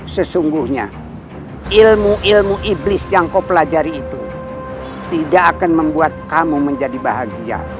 sesungguhnya ilmu ilmu iblis yang kau pelajari itu tidak akan membuat kamu menjadi bahagia